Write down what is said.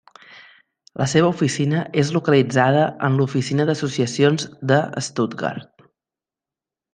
La seva oficina és localitzada en l'oficina d'associacions de Stuttgart.